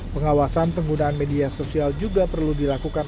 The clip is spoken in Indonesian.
pengawasan penggunaan media sosial juga perlu dilakukan